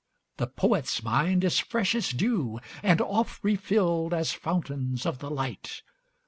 The poet's mind is fresh as dew, And oft refilled as fountains of the light.